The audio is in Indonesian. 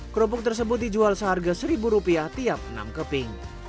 krupuk tersebut dijual seharga satu rupiah tiap enam keping